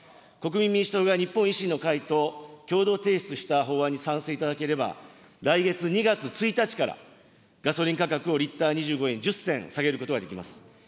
国民民主党が日本維新の会と共同提出した法案に賛成いただければ、来月２月１日から、ガソリン価格をリッター２５円１０銭、下げることができます。